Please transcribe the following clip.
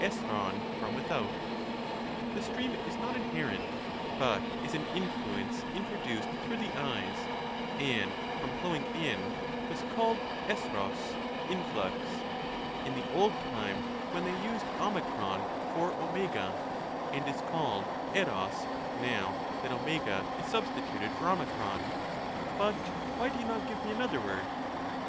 • {tapibv) from without ; the stream is not inherent, but is an influence introduced through the eyes, and from flowing in was called tapog (influx) in the old time when they used o for 6>, and is called epo)g, now that oj is substituted for 0. But why do you not give me another word?